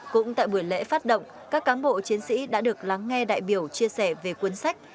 cũng tại buổi lễ phát động các cán bộ chiến sĩ đã được lắng nghe đại biểu chia sẻ về cuốn sách